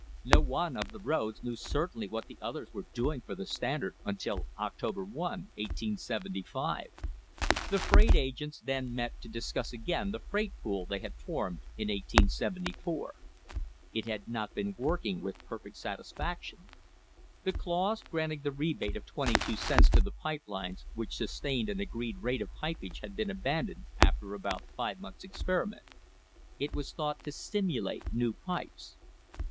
No one of the roads knew certainly what the others were doing for the Standard until October 1, 1875. The freight agents then met to discuss again the freight pool they had formed in 1874. I* nac * not been working with perfect satisfac tion. The clause granting the rebate of twenty two cents to the pipe lines which sustained an agreed rate of pipage had been abandoned after about five months' experiment. It was thought to stimulate new pipes.